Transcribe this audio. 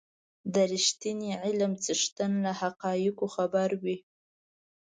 د رښتيني علم څښتن له حقایقو خبر وي.